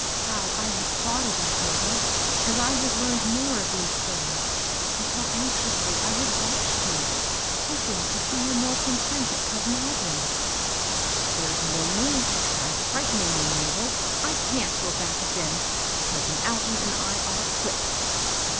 How I have thought of you, Hilda, as I have learned more of these things; and how anxiously I have watched you, hoping to see you more content at cousit Al gin's." " There's no need to try fiightening me, Mabel. I can't go back again. Cousin Algin and I are quits."